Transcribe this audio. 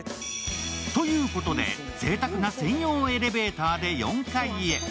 ということでぜいたくな専用エレベーターで４階へ。